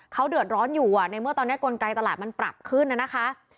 เขาเดือดร้อนอยู่ในเมื่อตอนนี้กลไกตลาดมันปรับขึ้นน่ะนะคะ